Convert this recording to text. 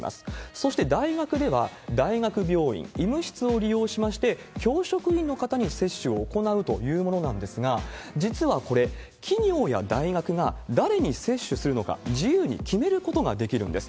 そして大学では、大学病院、医務室を利用しまして、教職員の方に接種を行うというものなんですが、実はこれ、企業や大学が誰に接種するのか、自由に決めることができるんです。